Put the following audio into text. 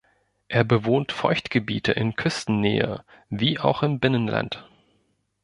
Er bewohnt Feuchtgebiete in Küstennähe wie auch im Binnenland.